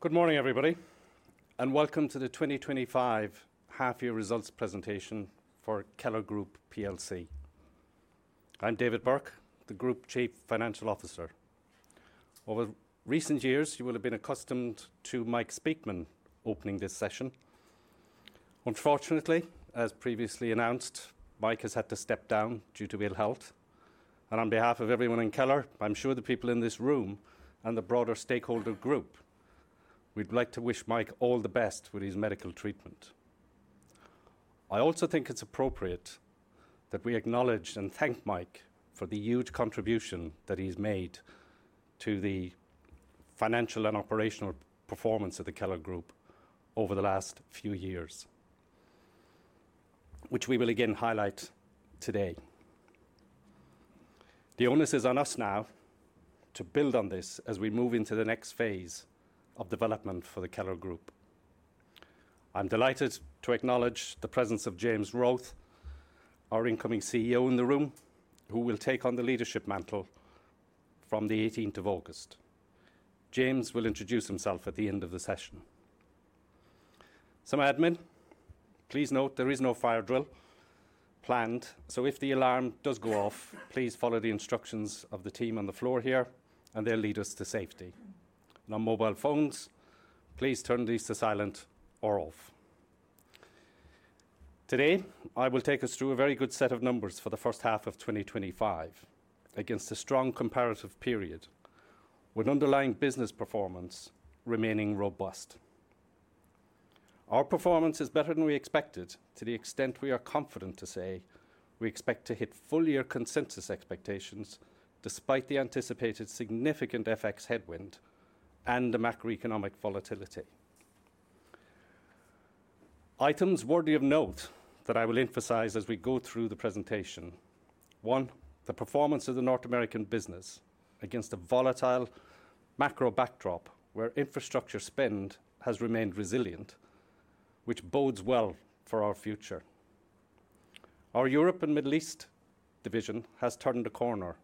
Good morning, everybody, and welcome to the 2025 half-year results presentation for Keller Group plc. I'm David Burke, the Group Chief Financial Officer. Over recent years, you will have been accustomed to Michael Speakman opening this session. Unfortunately, as previously announced, Michael has had to step down due to ill health. On behalf of everyone in Keller, I'm sure the people in this room and the broader stakeholder group, we'd like to wish Michael all the best with his medical treatment. I also think it's appropriate that we acknowledge and thank Michael for the huge contribution that he's made to the financial and operational performance of Keller Group over the last few years, which we will again highlight today. The onus is on us now to build on this as we move into the next phase of development for Keller Group. I'm delighted to acknowledge the presence of James Wroath, our incoming CEO in the room, who will take on the leadership mantle from the 18th of August. James will introduce himself at the end of the session. Some admin, please note there is no fire drill planned, so if the alarm does go off, please follow the instructions of the team on the floor here, and they'll lead us to safety. Non-mobile phones, please turn these to silent or off. Today, I will take us through a very good set of numbers for the first half of 2025 against a strong comparative period with underlying business performance remaining robust. Our performance is better than we expected to the extent we are confident to say we expect to hit full-year consensus expectations despite the anticipated significant FX headwind and the macroeconomic volatility. Items worthy of note that I will emphasize as we go through the presentation: one, the performance of the North American business against a volatile macro backdrop where infrastructure spend has remained resilient, which bodes well for our future. Our Europe and Middle East division has turned a corner.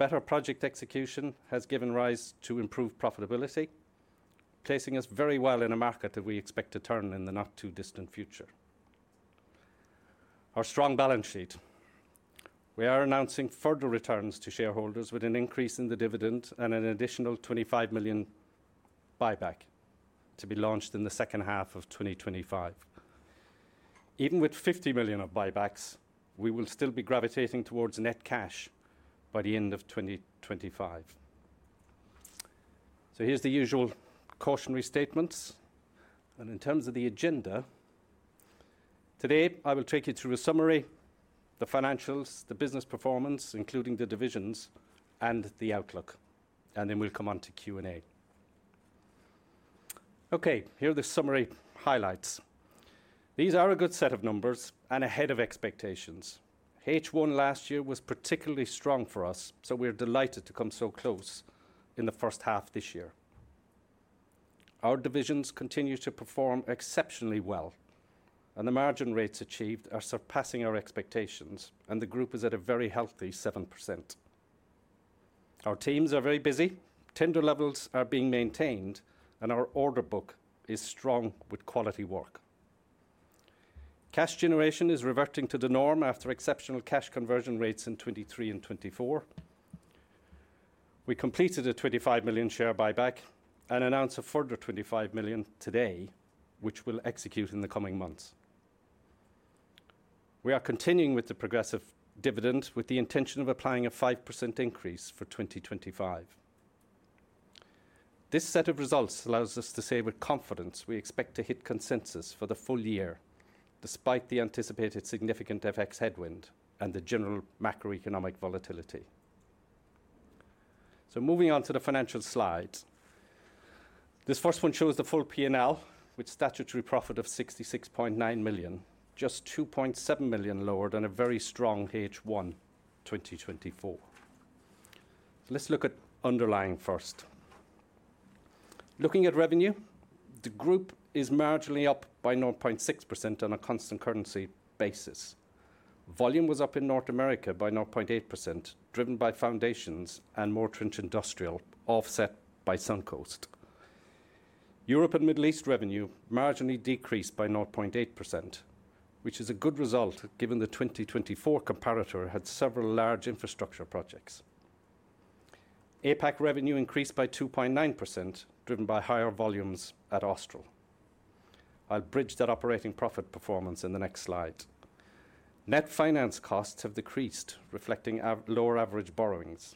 Better project execution has given rise to improved profitability, placing us very well in a market that we expect to turn in the not-too-distant future. Our strong balance sheet, we are announcing further returns to shareholders with an increase in the dividend and an additional 25 million buyback to be launched in the second half of 2025. Even with 50 million of buybacks, we will still be gravitating towards net cash by the end of 2025. Here are the usual cautionary statements. In terms of the agenda, today I will take you through a summary, the financials, the business performance, including the divisions, and the outlook. We will come on to Q&A. Here are the summary highlights. These are a good set of numbers and ahead of expectations. H1 last year was particularly strong for us, so we're delighted to come so close in the first half this year. Our divisions continue to perform exceptionally well, and the margin rates achieved are surpassing our expectations, and the group is at a very healthy 7%. Our teams are very busy, tender levels are being maintained, and our order book is strong with quality work. Cash generation is reverting to the norm after exceptional cash conversion rates in 2023 and 2024. We completed a 25 million share buyback and announced a further 25 million today, which we'll execute in the coming months. We are continuing with the progressive dividend with the intention of applying a 5% increase for 2025. This set of results allows us to say with confidence we expect to hit consensus for the full year, despite the anticipated significant FX headwind and the general macroeconomic volatility. Moving on to the financial slides, this first one shows the full P&L with statutory profit of 66.9 million, just 2.7 million lower than a very strong H1 2024. Let's look at underlying first. Looking at revenue, the group is marginally up by 0.6% on a constant currency basis. Volume was up in North America by 0.8%, driven by foundations and Moretrench Industrial, offset by Suncoast. Europe and Middle East revenue marginally decreased by 0.8%, which is a good result given the 2024 comparator had several large infrastructure projects. APAC revenue increased by 2.9%, driven by higher volumes at Austral. I'll bridge that operating profit performance in the next slide. Net finance costs have decreased, reflecting lower average borrowings.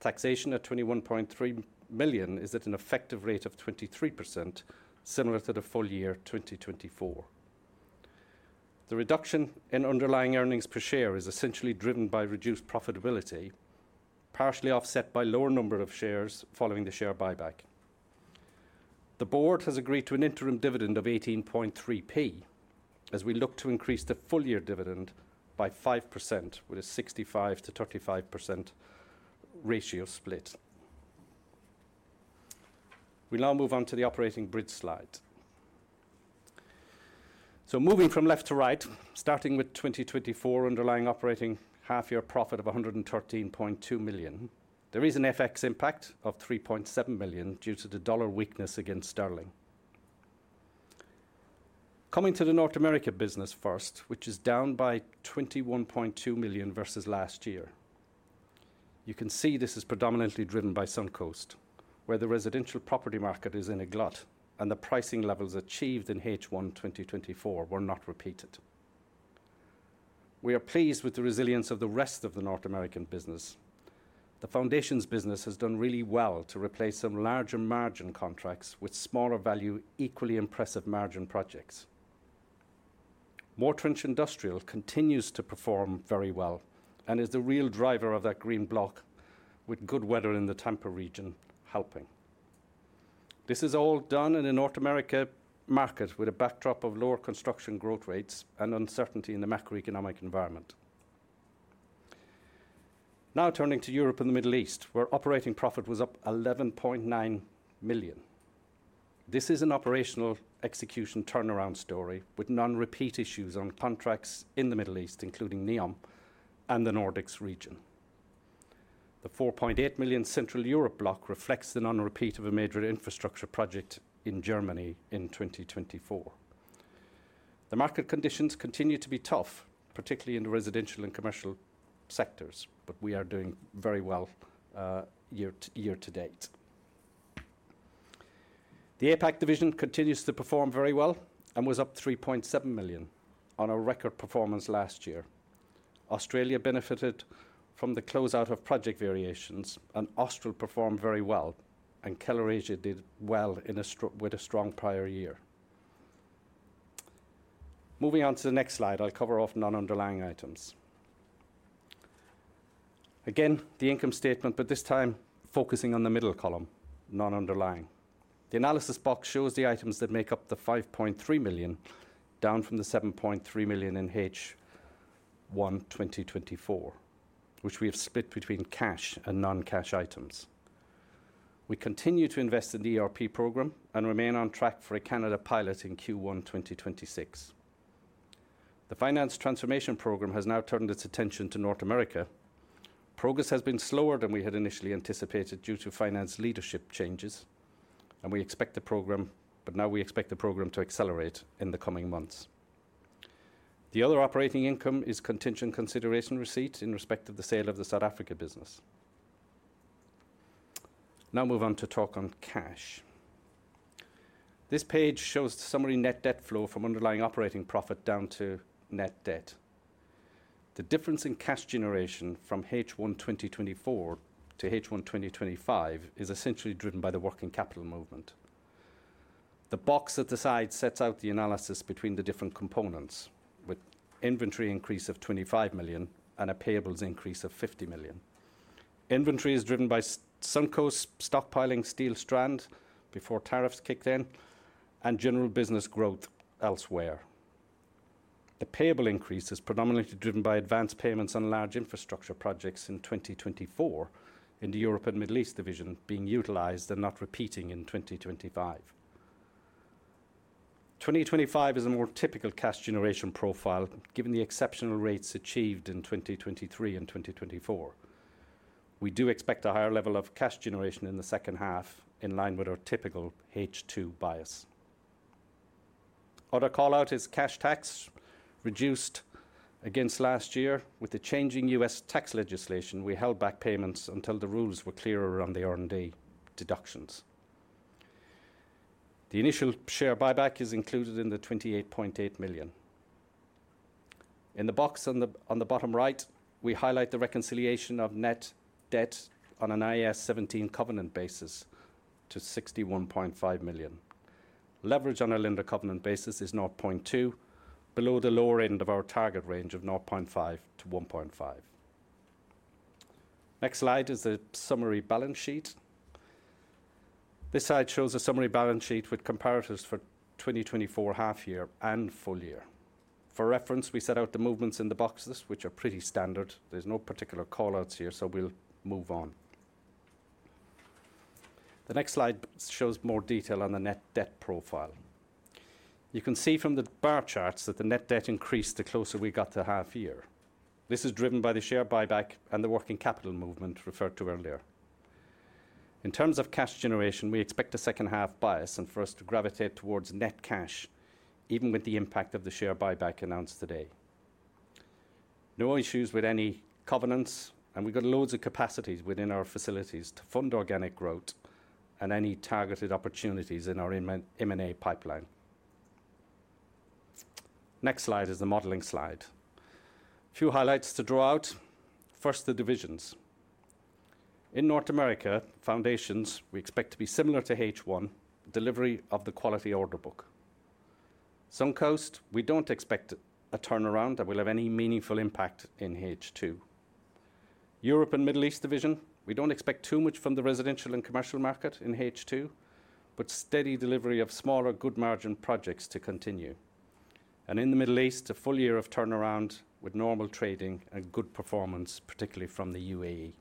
Taxation at 21.3 million is at an effective rate of 23%, similar to the full year 2024. The reduction in underlying earnings per share is essentially driven by reduced profitability, partially offset by a lower number of shares following the share buyback. The board has agreed to an interim dividend of 18.3p as we look to increase the full-year dividend by 5% with a 65%-35% ratio split. We will now move on to the operating bridge slide. Moving from left to right, starting with 2024 underlying operating half-year profit of 113.2 million, there is an FX impact of 3.7 million due to the dollar weakness against sterling. Coming to the North America business first, which is down by 21.2 million versus last year. You can see this is predominantly driven by Suncoast, where the residential property market is in a glut and the pricing levels achieved in H1 2024 were not repeated. We are pleased with the resilience of the rest of the North American business. The foundations business has done really well to replace some larger margin contracts with smaller value, equally impressive margin projects. Moretrench Industrial continues to perform very well and is the real driver of that green block, with good weather in the Tampa region helping. This is all done in a North America market with a backdrop of lower construction growth rates and uncertainty in the macroeconomic environment. Turning to Europe and the Middle East, where operating profit was up 11.9 million. This is an operational execution turnaround story with non-repeat issues on contracts in the Middle East, including NEOM and the Nordics region. The 4.8 million Central Europe block reflects the non-repeat of a major infrastructure project in Germany in 2024. The market conditions continue to be tough, particularly in the residential and commercial sectors, but we are doing very well year to date. The APAC division continues to perform very well and was up 3.7 million on a record performance last year. Australia benefited from the closeout of project variations and Austral performed very well, and Keller Asia did well with a strong prior year. Moving on to the next slide, I'll cover off non-underlying items. Again, the income statement, but this time focusing on the middle column, non-underlying. The analysis box shows the items that make up the 5.3 million, down from the 7.3 million in H1 2024, which we have split between cash and non-cash items. We continue to invest in the ERP program and remain on track for a Canada pilot in Q1 2026. The finance transformation program has now turned its attention to North America. Progress has been slower than we had initially anticipated due to finance leadership changes, and we expect the program to accelerate in the coming months. The other operating income is contingent consideration receipts in respect to the sale of the South Africa business. Now move on to talk on cash. This page shows the summary net debt flow from underlying operating profit down to net debt. The difference in cash generation from H1 2024 to H1 2025 is essentially driven by the working capital movement. The box at the side sets out the analysis between the different components with inventory increase of $25 million and a payables increase of $50 million. Inventory is driven by Suncoast, stockpiling steel strand before tariffs kicked in, and general business growth elsewhere. The payable increase is predominantly driven by advanced payments on large infrastructure projects in 2024, in the Europe and Middle East division being utilized and not repeating in 2025. 2025 is a more typical cash generation profile given the exceptional rates achieved in 2023 and 2024. We do expect a higher level of cash generation in the second half in line with our typical H2 bias. Our call out is cash tax reduced against last year with the changing U.S. tax legislation. We held back payments until the rules were clearer on the R&D deductions. The initial share buyback is included in the $28.8 million. In the box on the bottom right, we highlight the reconciliation of net debt on an IS17 covenant basis to $61.5 million. Leverage on a lender covenant basis is 0.2, below the lower end of our target range of 0.5 to 1.5. Next slide is a summary balance sheet. This slide shows a summary balance sheet with comparatives for 2024 half-year and full year. For reference, we set out the movements in the boxes, which are pretty standard. There's no particular call outs here, so we'll move on. The next slide shows more detail on the net debt profile. You can see from the bar charts that the net debt increased the closer we got to half-year. This is driven by the share buyback and the working capital movement referred to earlier. In terms of cash generation, we expect a second half bias and for us to gravitate towards net cash, even with the impact of the share buyback announced today. No issues with any covenants, and we've got loads of capacity within our facilities to fund organic growth and any targeted opportunities in our M&A pipeline. Next slide is the modeling slide. A few highlights to draw out. First, the divisions. In North America, foundations, we expect to be similar to H1, delivery of the quality order book. Suncoast, we don't expect a turnaround that will have any meaningful impact in H2. Europe and Middle East division, we don't expect too much from the residential and commercial market in H2, but steady delivery of smaller good margin projects to continue. In the Middle East, a full year of turnaround with normal trading and good performance, particularly from the UAE.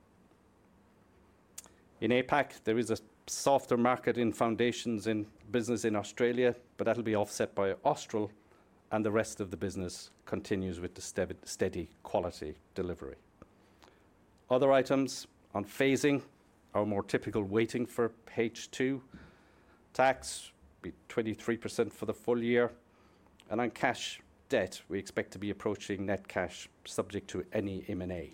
In APAC, there is a softer market in foundations in business in Australia, but that'll be offset by Austral, and the rest of the business continues with the steady quality delivery. Other items on phasing are more typical waiting for H2. Tax will be 23% for the full year, and on cash debt, we expect to be approaching net cash subject to any M&A.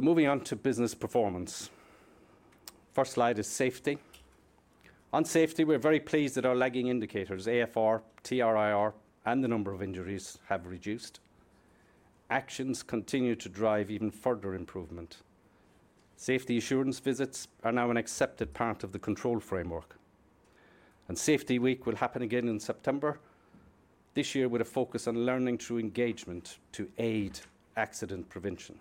Moving on to business performance. First slide is safety. On safety, we're very pleased that our lagging indicators, AFR, TRIR, and the number of injuries have reduced. Actions continue to drive even further improvement. Safety assurance visits are now an accepted part of the control framework. Safety Week will happen again in September this year with a focus on learning through engagement to aid accident prevention.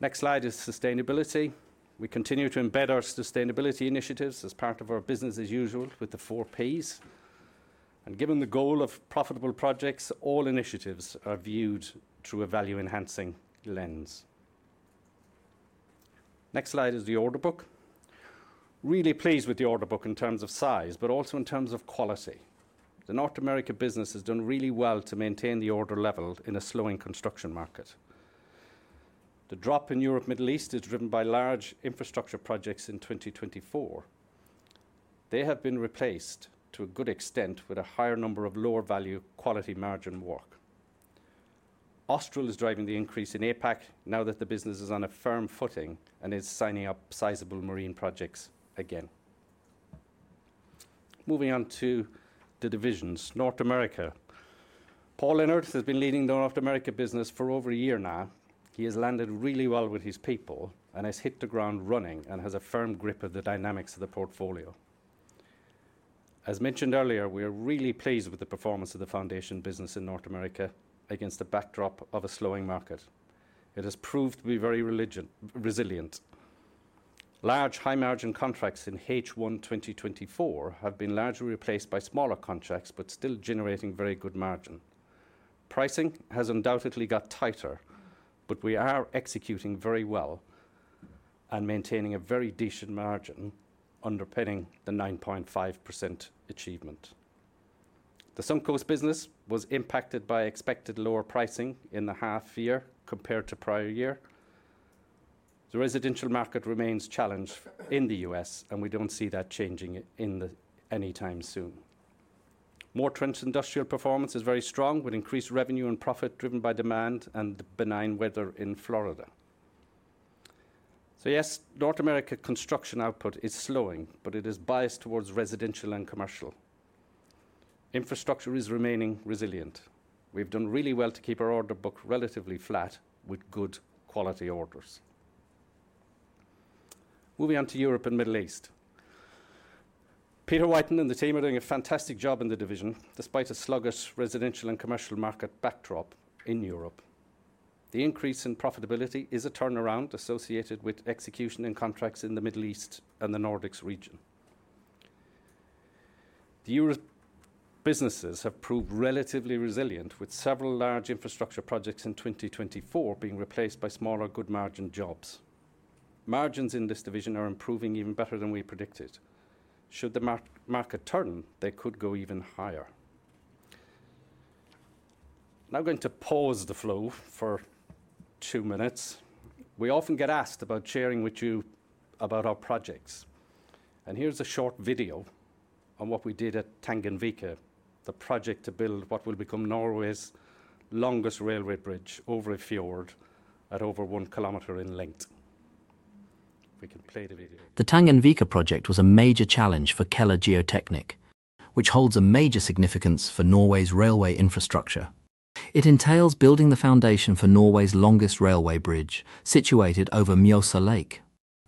Next slide is sustainability. We continue to embed our sustainability initiatives as part of our business as usual with the four Ps. Given the goal of profitable projects, all initiatives are viewed through a value-enhancing lens. Next slide is the order book. Really pleased with the order book in terms of size, but also in terms of quality. The North America business has done really well to maintain the order level in a slowing construction market. The drop in Europe and Middle East is driven by large infrastructure projects in 2024. They have been replaced to a good extent with a higher number of lower value quality margin work. Austral is driving the increase in APAC now that the business is on a firm footing and is signing up sizable marine projects again. Moving on to the divisions, North America. Paul Innert has been leading the North America business for over a year now. He has landed really well with his people and has hit the ground running and has a firm grip of the dynamics of the portfolio. As mentioned earlier, we are really pleased with the performance of the foundation business in North America against the backdrop of a slowing market. It has proved to be very resilient. Large high margin contracts in H1 2024 have been largely replaced by smaller contracts, but still generating very good margin. Pricing has undoubtedly got tighter, but we are executing very well and maintaining a very decent margin underpinning the 9.5% achievement. The Suncoast business was impacted by expected lower pricing in the half-year compared to prior year. The residential market remains challenged in the U.S., and we don't see that changing anytime soon. Moretrench Industrial performance is very strong with increased revenue and profit driven by demand and the benign weather in Florida. Yes, North America construction output is slowing, but it is biased towards residential and commercial. Infrastructure is remaining resilient. We've done really well to keep our order book relatively flat with good quality orders. Moving on to Europe and Middle East. Peter Whitton and the team are doing a fantastic job in the division despite a sluggish residential and commercial market backdrop in Europe. The increase in profitability is a turnaround associated with execution and contracts in the Middle East and the Nordics region. The Europe businesses have proved relatively resilient with several large infrastructure projects in 2024 being replaced by smaller good margin jobs. Margins in this division are improving even better than we predicted. Should the market turn, they could go even higher. Now I'm going to pause the flow for two minutes. We often get asked about sharing with you about our projects. Here's a short video on what we did at Tangenvika, the project to build what will become Norway's longest railway bridge over a fjord at over one kilometer in length. The Tangenvika project was a major challenge for Keller Geotechnik, which holds a major significance for Norway's railway infrastructure. It entails building the foundation for Norway's longest railway bridge, situated over Mjøsa Lake.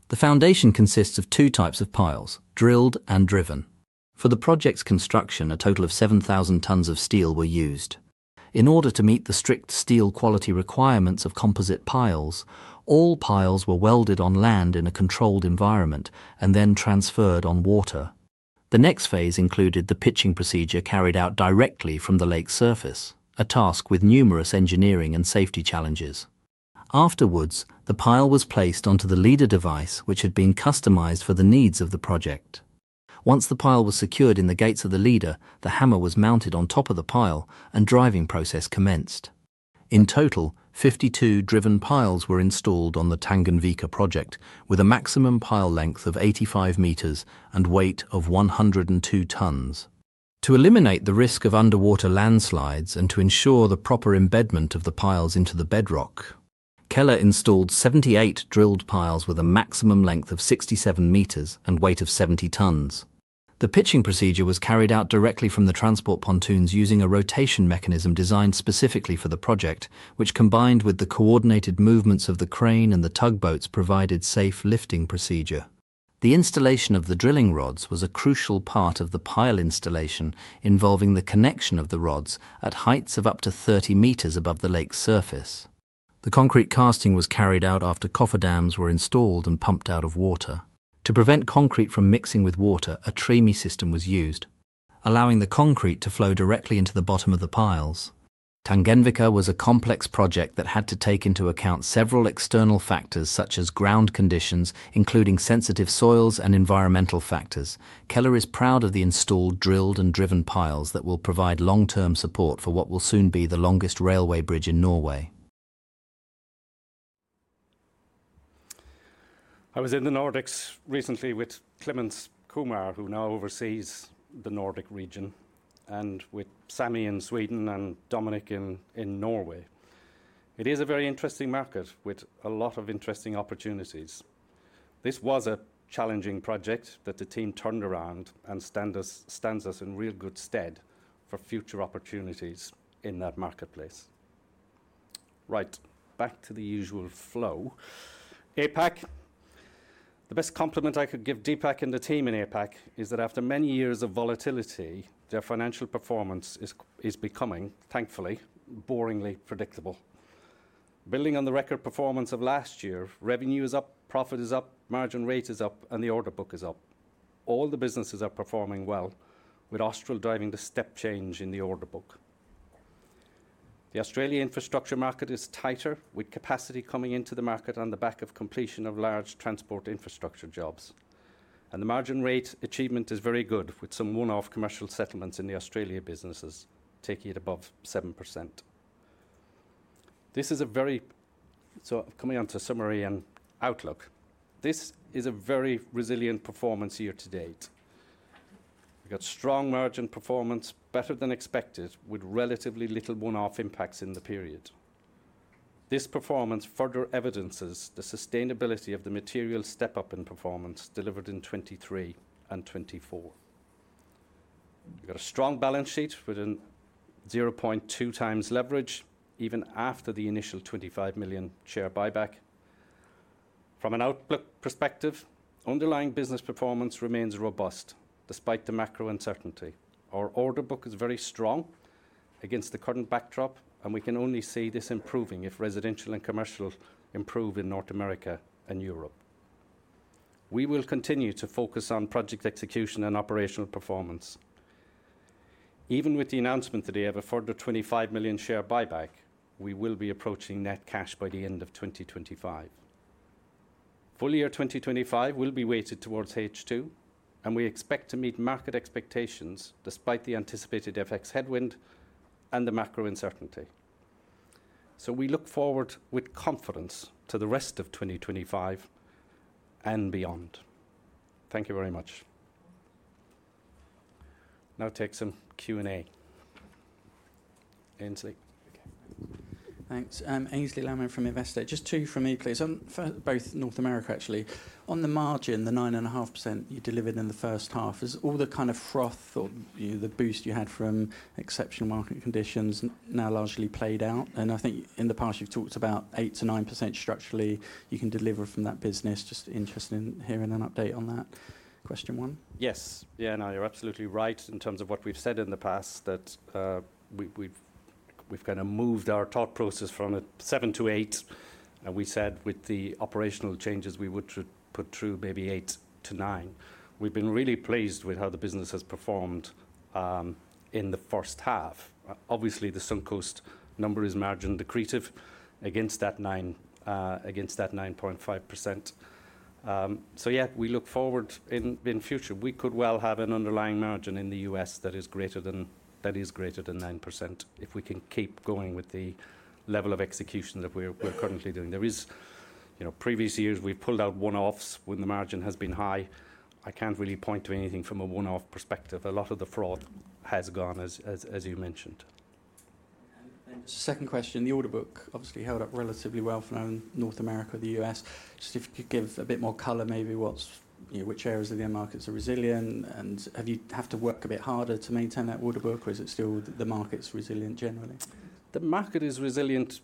The foundation consists of two types of piles: drilled and driven. For the project's construction, a total of 7,000 tons of steel were used. In order to meet the strict steel quality requirements of composite piles, all piles were welded on land in a controlled environment and then transferred on water. The next phase included the pitching procedure carried out directly from the lake's surface, a task with numerous engineering and safety challenges. Afterwards, the pile was placed onto the leader device, which had been customized for the needs of the project. Once the pile was secured in the gates of the leader, the hammer was mounted on top of the pile and the driving process commenced. In total, 52 driven piles were installed on the Tangenvika project, with a maximum pile length of 85 m and a weight of 102 tons. To eliminate the risk of underwater landslides and to ensure the proper embedment of the piles into the bedrock, Keller installed 78 drilled piles with a maximum length of 67 m and a weight of 70 tons. The pitching procedure was carried out directly from the transport pontoons using a rotation mechanism designed specifically for the project, which, combined with the coordinated movements of the crane and the tugboats, provided a safe lifting procedure. The installation of the drilling rods was a crucial part of the pile installation, involving the connection of the rods at heights of up to 30 m above the lake's surface. The concrete casting was carried out after coffer dams were installed and pumped out of water. To prevent concrete from mixing with water, a tremie system was used, allowing the concrete to flow directly into the bottom of the piles. Tangenvika was a complex project that had to take into account several external factors, such as ground conditions, including sensitive soils and environmental factors. Keller is proud of the installed drilled and driven piles that will provide long-term support for what will soon be the longest railway bridge in Norway. I was in the Nordics recently with Klemens Kumar, who now oversees the Nordic region, and with Sami in Sweden and Dominic in Norway. It is a very interesting market with a lot of interesting opportunities. This was a challenging project that the team turned around and stands us in real good stead for future opportunities in that marketplace. Right, back to the usual flow. APAC, the best compliment I could give DPAC and the team in APAC is that after many years of volatility, their financial performance is becoming, thankfully, boringly predictable. Building on the record performance of last year, revenue is up, profit is up, margin rate is up, and the order book is up. All the businesses are performing well, with Austral driving the step change in the order book. The Australian infrastructure market is tighter, with capacity coming into the market on the back of completion of large transport infrastructure jobs. The margin rate achievement is very good, with some one-off commercial settlements in the Australia businesses taking it above 7%. This is a very resilient performance year to date. We've got strong margin performance, better than expected, with relatively little one-off impacts in the period. This performance further evidences the sustainability of the material step-up in performance delivered in 2023 and 2024. We've got a strong balance sheet with a 0.2x leverage, even after the initial $25 million share buyback. From an outlook perspective, underlying business performance remains robust despite the macro uncertainty. Our order book is very strong against the current backdrop, and we can only see this improving if residential and commercial improve in North America and Europe. We will continue to focus on project execution and operational performance. Even with the announcement today of a further $25 million share buyback, we will be approaching net cash by the end of 2025. Full year 2025 will be weighted towards H2, and we expect to meet market expectations despite the anticipated FX headwind and the macro uncertainty. We look forward with confidence to the rest of 2025 and beyond. Thank you very much. Now take some Q&A. Aynsley. Thanks. Aynsley Lammin from Investec. Just two from me, please. Both North America, actually. On the margin, the 9.5% you delivered in the first half, is all the kind of froth or the boost you had from exceptional market conditions now largely played out? I think in the past you've talked about 8%-9% structurally you can deliver from that business. Just interested in hearing an update on that. Question one? Yes. Yeah, no, you're absolutely right in terms of what we've said in the past that we've kind of moved our thought process from a 7%-8%. We said with the operational changes we would put through maybe 8%-9%. We've been really pleased with how the business has performed in the first half. Obviously, the Suncoast number is margin decreative against that 9.5%. We look forward in the future. We could well have an underlying margin in the U.S. that is greater than 9% if we can keep going with the level of execution that we're currently doing. In previous years we've pulled out one-offs when the margin has been high. I can't really point to anything from a one-off perspective. A lot of the froth has gone, as you mentioned. Second question, the order book obviously held up relatively well for North America or the U.S. If you could give a bit more color, maybe which areas of the end markets are resilient and have you had to work a bit harder to maintain that order book, or is it still the market's resilient generally? The market is resilient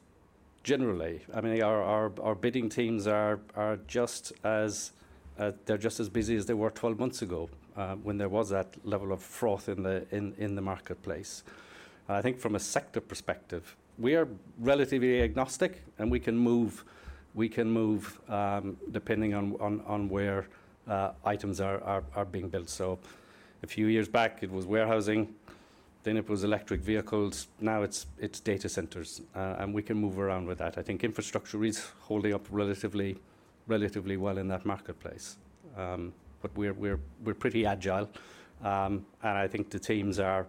generally. I mean, our bidding teams are just as busy as they were 12 months ago when there was that level of froth in the marketplace. I think from a sector perspective, we are relatively agnostic and we can move depending on where items are being built. A few years back it was warehousing, then it was electric vehicles, now it's data centers, and we can move around with that. I think infrastructure is holding up relatively well in that marketplace. We're pretty agile and I think the teams are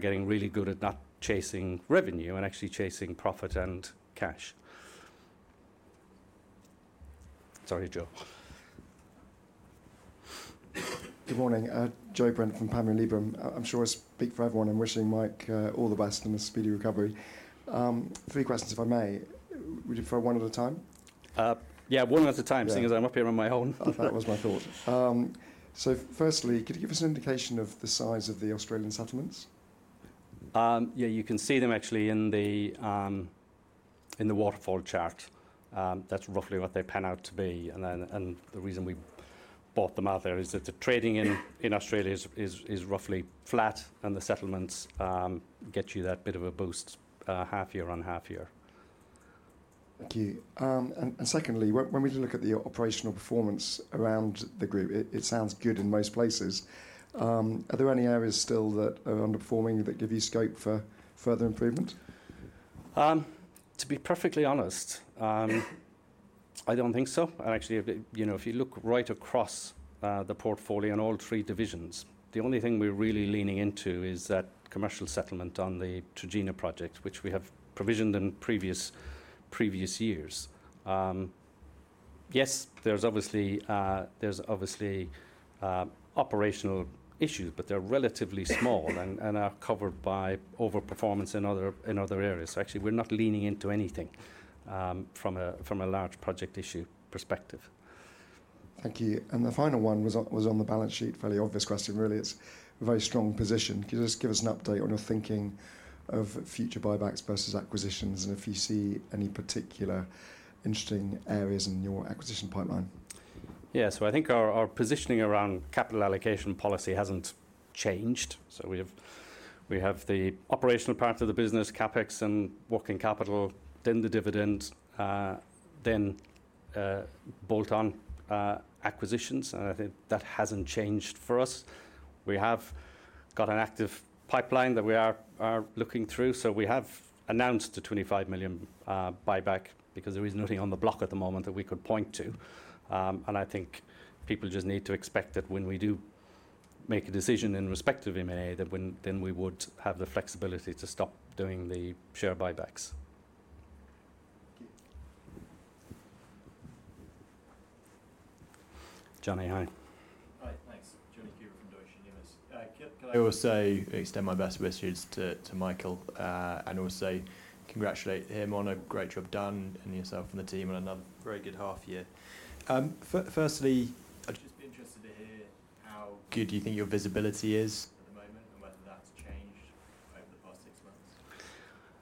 getting really good at not chasing revenue and actually chasing profit and cash. Sorry, Joe. Good morning, Joe Brent from Panmure Liberum. I'm sure it's big for everyone. I'm wishing Mike all the best in his speedy recovery. Three questions, if I may. Would you throw one at a time? Yeah, one at a time, seeing as I'm up here on my own. That was my thought. Firstly, could you give us an indication of the size of the Australian settlements? You can see them actually in the waterfall chart. That's roughly what they pan out to be. The reason we bought them out there is that the trading in Australia is roughly flat, and the settlements get you that bit of a boost half year on half year. Thank you. Secondly, when we look at the operational performance around the group, it sounds good in most places. Are there any areas still that are underperforming that give you scope for further improvement? To be perfectly honest, I don't think so. Actually, if you look right across the portfolio in all three divisions, the only thing we're really leaning into is that commercial settlement on the Trojena project, which we have provisioned in previous years. Yes, there's obviously operational issues, but they're relatively small and are covered by overperformance in other areas. We're not leaning into anything from a large project issue perspective. Thank you. The final one was on the balance sheet. Fairly obvious question, really. It's a very strong position. Could you just give us an update on your thinking over future buybacks versus acquisitions, and if you see any particular interesting areas in your acquisition pipeline? Yeah, I think our positioning around capital allocation policy hasn't changed. We have the operational part of the business, CapEx and working capital, then the dividend, then bolt-on acquisitions, and I think that hasn't changed for us. We have got an active pipeline that we are looking through. We have announced a $25 million buyback because there isn't anything on the block at the moment that we could point to. I think people just need to expect that when we do make a decision in respect to M&A, we would have the flexibility to stop doing the share buybacks. Johnny, hi. Hello, I extend my best wishes to Michael and also congratulate him on a great job done, and yourself and the team on another very good half year. Firstly, I'd just be interested to hear how good you think your visibility is.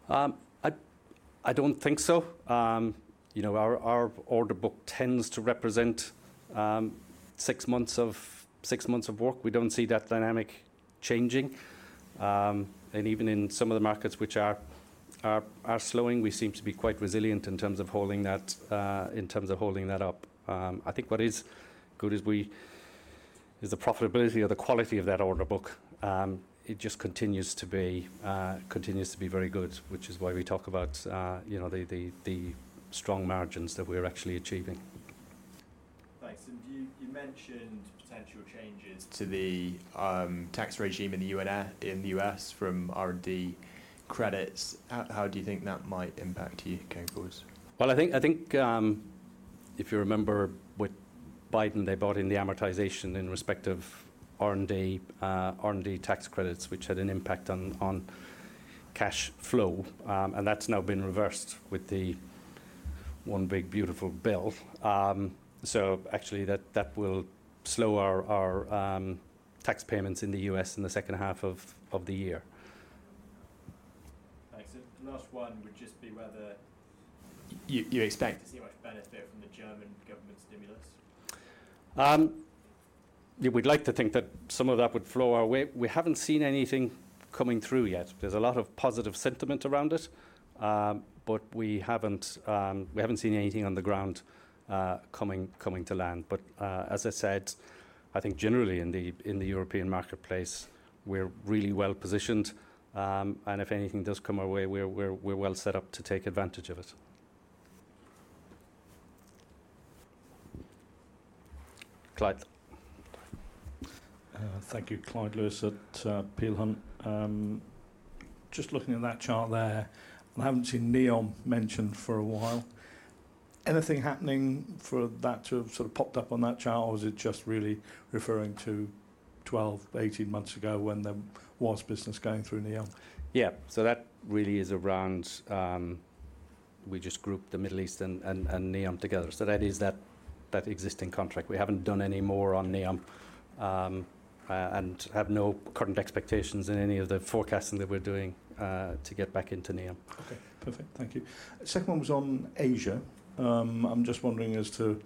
I don't think so. You know, our order book tends to represent six months of work. We don't see that dynamic changing. Even in some of the markets which are slowing, we seem to be quite resilient in terms of holding that up. I think what is good is the profitability or the quality of that order book. It just continues to be very good, which is why we talk about, you know, the strong margins that we're actually achieving. I see. You mentioned potential changes to the tax regime in the U.S. from R&D credits. How do you think that might impact you going forward? I think if you remember with Biden, they brought in the amortization in respect of R&D tax credits, which had an impact on cash flow. That's now been reversed with the one big beautiful bill. Actually, that will slow our tax payments in the U.S. in the second half of the year. The last one would just be whether you expect to see much benefit from the German government stimulus. We'd like to think that some of that would flow our way. We haven't seen anything coming through yet. There's a lot of positive sentiment around it, but we haven't seen anything on the ground coming to land. As I said, I think generally in the European marketplace, we're really well positioned. If anything does come our way, we're well set up to take advantage of it. Clyde. Thank you, Clyde Lewis at Peel Hunt. Just looking at that chart there, I haven't seen NEOM mentioned for a while. Anything happening for that to have sort of popped up on that chart, or is it just really referring to 12-18 months ago when there was business going through NEOM? That really is around we just grouped the Middle East and NEOM together. That is that existing contract. We haven't done any more on NEOM and have no current expectations in any of the forecasting that we're doing to get back into NEOM. Okay, perfect. Thank you. The second one was on Asia. I'm just wondering as to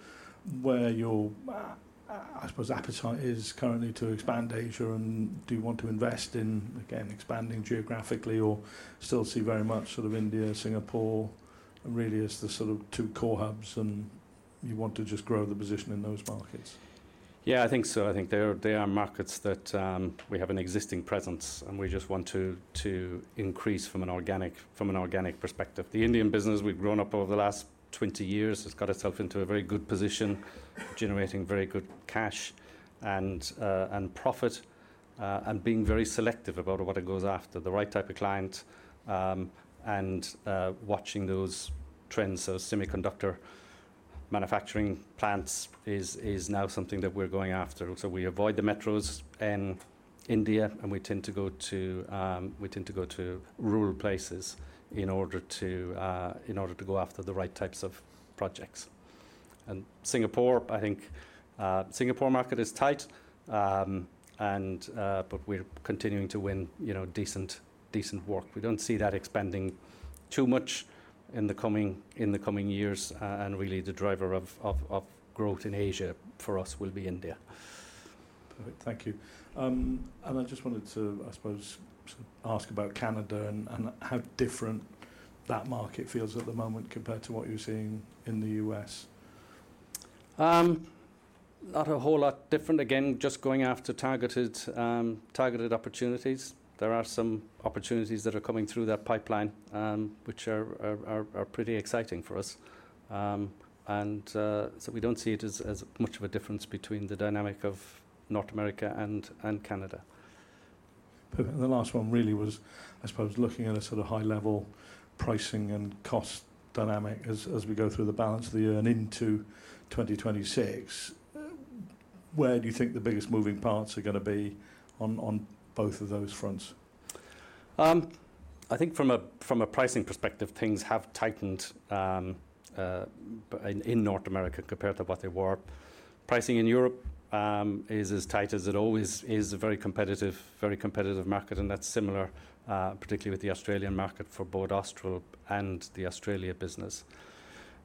where your, I suppose, appetite is currently to expand Asia, and do you want to invest in, again, expanding geographically, or still see very much sort of India, Singapore, and really as the sort of two core hubs, and you want to just grow the position in those markets? Yeah, I think so. I think they are markets that we have an existing presence, and we just want to increase from an organic perspective. The Indian business we've grown up over the last 20 years has got itself into a very good position, generating very good cash and profit, and being very selective about what it goes after, the right type of client, and watching those trends. Semiconductor manufacturing plants is now something that we're going after. We avoid the metros in India, and we tend to go to rural places in order to go after the right types of projects. Singapore, I think the Singapore market is tight, but we're continuing to win, you know, decent work. We don't see that expanding too much in the coming years, and really the driver of growth in Asia for us will be India. Thank you. I just wanted to, I suppose, ask about Canada and how different that market feels at the moment compared to what you're seeing in the U.S. Not a whole lot different. Again, just going after targeted opportunities. There are some opportunities that are coming through that pipeline, which are pretty exciting for us. We don't see it as much of a difference between the dynamic of North America and Canada. The last one really was, I suppose, looking at a sort of high-level pricing and cost dynamic as we go through the balance of the year and into 2026. Where do you think the biggest moving parts are going to be on both of those fronts? I think from a pricing perspective, things have tightened in North America compared to what they were. Pricing in Europe is as tight as it always is. It's a very competitive market, which is similar, particularly with the Australian market for both Austral and the Australia business.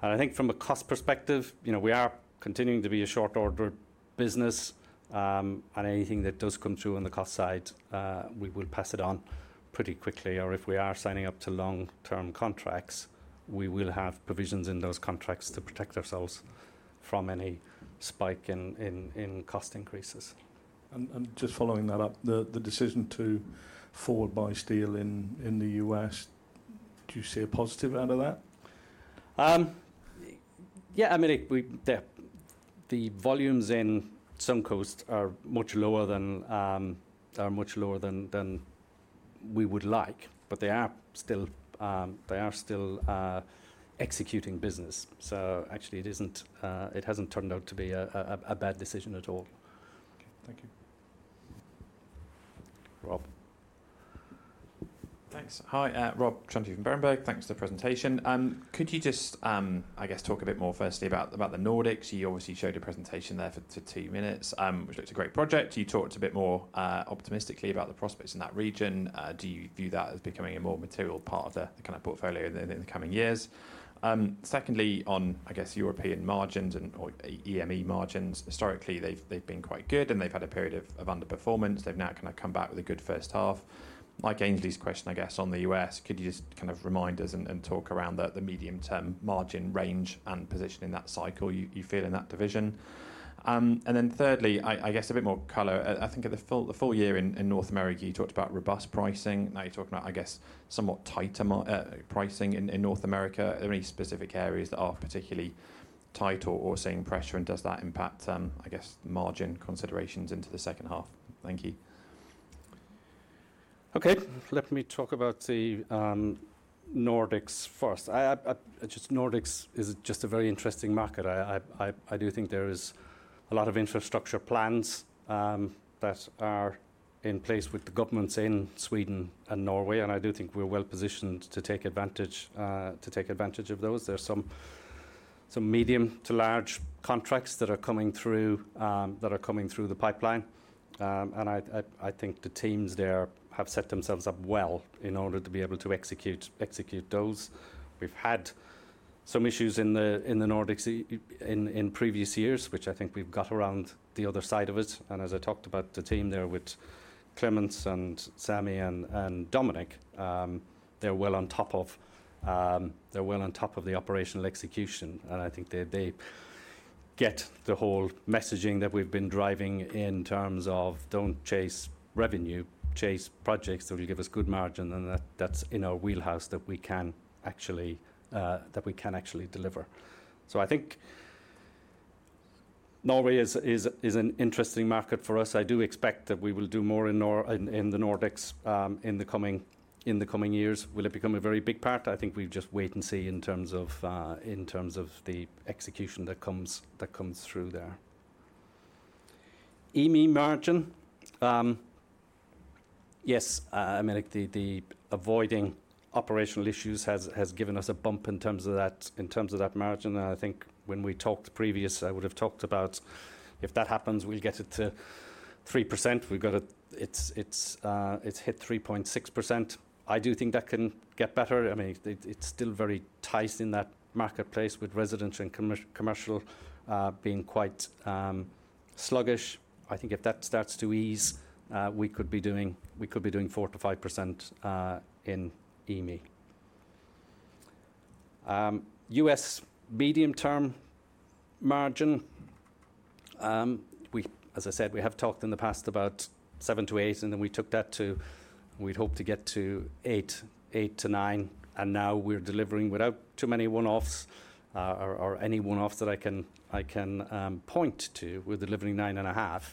I think from a cost perspective, we are continuing to be a short-order business, and anything that does come through on the cost side, we will pass it on pretty quickly. If we are signing up to long-term contracts, we will have provisions in those contracts to protect ourselves from any spike in cost increases. Following that up, the decision to forward buy steel in the U.S., do you see a positive out of that? Yeah, I mean, the volumes in Suncoast are much lower than we would like, but they are still executing business. It hasn't turned out to be a bad decision at all. Thank you, Rob. Thanks. Hi, Rob Chantry from Berenberg. Thanks for the presentation. Could you just, I guess, talk a bit more firstly about the Nordics? You obviously showed a presentation there for two minutes, which looks like a great project. You talked a bit more optimistically about the prospects in that region. Do you view that as becoming a more material part of the kind of portfolio in the coming years? Secondly, on, I guess, European margins and EME margins, historically, they've been quite good and they've had a period of underperformance. They've now kind of come back with a good first half. Mike, Aynsley's question, I guess, on the U.S. Could you just kind of remind us and talk around the medium-term margin range and position in that cycle you feel in that division? Thirdly, I guess a bit more color. I think at the full year in North America, you talked about robust pricing. Now you're talking about, I guess, somewhat tighter pricing in North America. Are there any specific areas that are particularly tight or seeing pressure, and does that impact, I guess, margin considerations into the second half? Thank you. Okay, let me talk about the Nordics first. Nordics is just a very interesting market. I do think there are a lot of infrastructure plans that are in place with the governments in Sweden and Norway, and I do think we're well positioned to take advantage of those. There are some medium to large contracts that are coming through the pipeline, and I think the teams there have set themselves up well in order to be able to execute those. We've had some issues in the Nordics in previous years, which I think we've got around the other side of it. As I talked about, the team there with Klemens and Sami and Dominic, they're well on top of the operational execution, and I think they get the whole messaging that we've been driving in terms of don't chase revenue, chase projects that will give us good margin, and that's in our wheelhouse that we can actually deliver. I think Norway is an interesting market for us. I do expect that we will do more in the Nordics in the coming years. Will it become a very big part? I think we'll just wait and see in terms of the execution that comes through there. EME margin, yes, I mean, avoiding operational issues has given us a bump in terms of that margin. I think when we talked previous, I would have talked about if that happens, we'll get it to 3%. We've got it, it's hit 3.6%. I do think that can get better. I mean, it's still very tight in that marketplace with residential and commercial being quite sluggish. I think if that starts to ease, we could be doing 4%-5% in EME. U.S. medium-term margin, as I said, we have talked in the past about 7%-8%, and then we took that to we'd hope to get to 8%, 8%-9%, and now we're delivering without too many one-offs or any one-offs that I can point to. We're delivering 9.5%,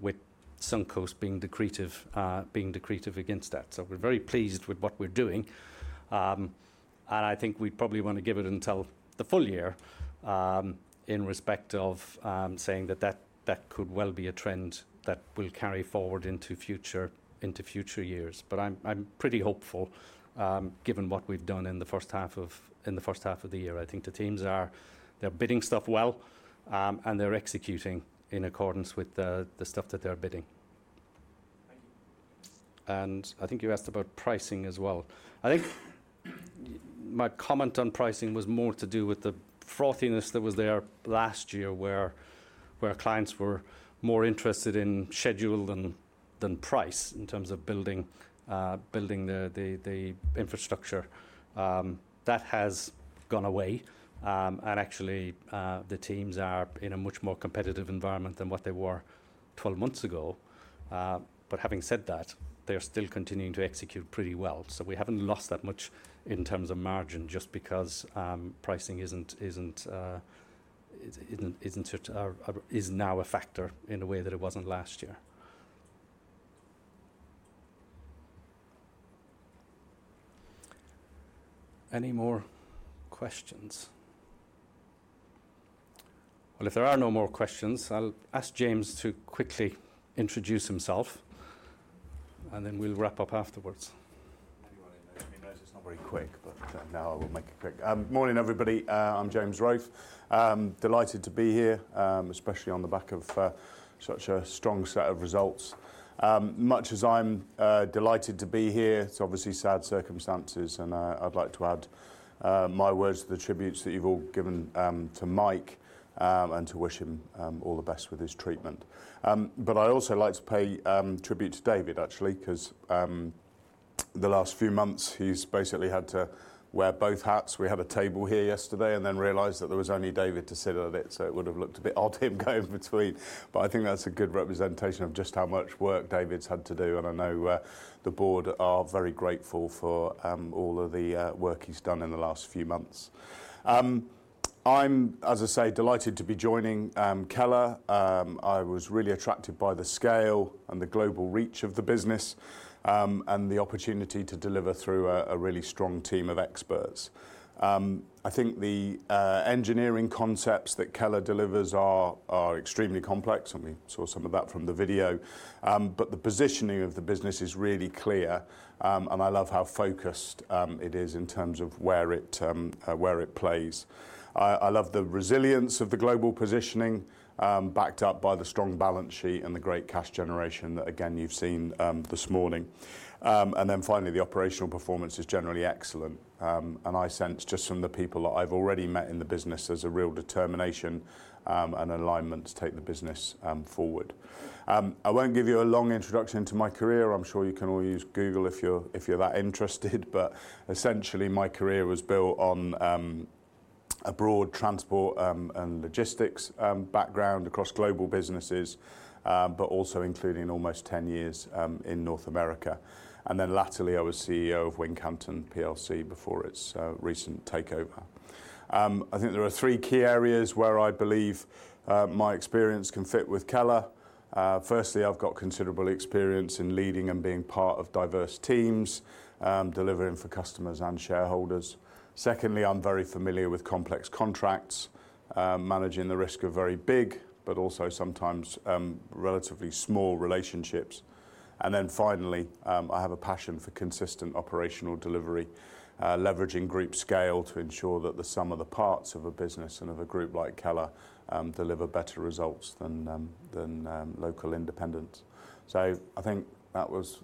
with Suncoast being the creative against that. We're very pleased with what we're doing, and I think we probably want to give it until the full year in respect of saying that that could well be a trend that will carry forward into future years. I'm pretty hopeful given what we've done in the first half of the year. I think the teams are, they're bidding stuff well, and they're executing in accordance with the stuff that they're bidding. I think you asked about pricing as well. My comment on pricing was more to do with the frothiness that was there last year where clients were more interested in schedule than price in terms of building the infrastructure. That has gone away, and actually, the teams are in a much more competitive environment than what they were 12 months ago. Having said that, they are still continuing to execute pretty well. We haven't lost that much in terms of margin just because pricing is now a factor in a way that it wasn't last year. If there are no more questions, I'll ask James to quickly introduce himself, and then we'll wrap up afterwards. It's not very quick, but now I will make it quick. Morning, everybody. I'm James Wroath. Delighted to be here, especially on the back of such a strong set of results. Much as I'm delighted to be here, it's obviously sad circumstances, and I'd like to add my words to the tributes that you've all given to Mike and to wish him all the best with his treatment. I'd also like to pay tribute to David, actually, because the last few months he's basically had to wear both hats. We had a table here yesterday and then realized that there was only David to sit at it, so it would have looked a bit odd him going between. I think that's a good representation of just how much work David's had to do, and I know the board are very grateful for all of the work he's done in the last few months. I'm, as I say, delighted to be joining Keller. I was really attracted by the scale and the global reach of the business and the opportunity to deliver through a really strong team of experts. I think the engineering concepts that Keller delivers are extremely complex, and we saw some of that from the video, but the positioning of the business is really clear, and I love how focused it is in terms of where it plays. I love the resilience of the global positioning, backed up by the strong balance sheet and the great cash generation that, again, you've seen this morning. Finally, the operational performance is generally excellent, and I sense just from the people that I've already met in the business, there's a real determination and alignment to take the business forward. I won't give you a long introduction to my career. I'm sure you can all use Google if you're that interested, but essentially, my career was built on a broad transport and logistics background across global businesses, but also including almost 10 years in North America. Latterly, I was CEO of Wincanton plc before its recent takeover. I think there are three key areas where I believe my experience can fit with Keller. Firstly, I've got considerable experience in leading and being part of diverse teams, delivering for customers and shareholders. Secondly, I'm very familiar with complex contracts, managing the risk of very big, but also sometimes relatively small relationships. Finally, I have a passion for consistent operational delivery, leveraging group scale to ensure that the sum of the parts of a business and of a group like Keller deliver better results than local independents. I think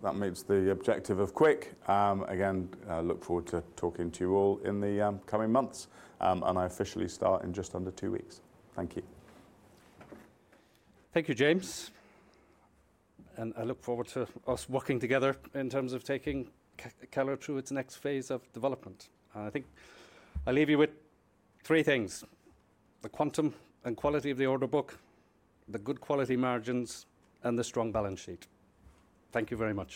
that meets the objective of quick. Again, I look forward to talking to you all in the coming months, and I officially start in just under two weeks. Thank you. Thank you, James. I look forward to us working together in terms of taking Keller through its next phase of development. I'll leave you with three things: the quantum and quality of the order book, the good quality margins, and the strong balance sheet. Thank you very much.